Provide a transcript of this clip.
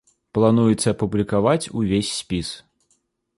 Плануецца апублікаваць увесь спіс.